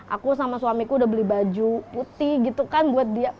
aku sama suamiku udah beli baju putih gitu kan buat dia